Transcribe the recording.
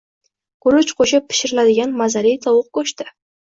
Guruch qo‘shib pishiriladigan mazali tovuq go‘shti